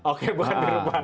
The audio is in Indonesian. oke bukan biru pan